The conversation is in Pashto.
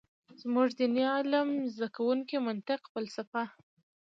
زمونږ ديني علم زده کوونکي منطق ، فلسفه ،